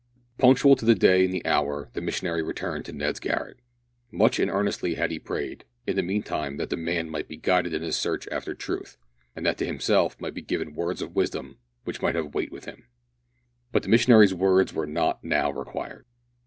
Punctual to the day and the hour, the missionary returned to Ned's garret. Much and earnestly had he prayed, in the meantime, that the man might be guided in his search after truth, and that to himself might be given words of wisdom which might have weight with him. But the missionary's words were not now required.